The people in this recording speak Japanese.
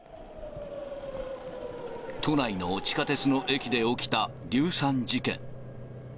都内の地下鉄の駅で起きた硫酸事件。